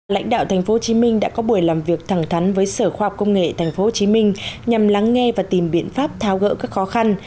lãnh đạo tp hcm đã có buổi làm việc thẳng thắn với sở khoa học công nghệ tp hcm nhằm lắng nghe và tìm biện pháp tháo gỡ các khó khăn